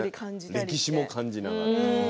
歴史も感じながら。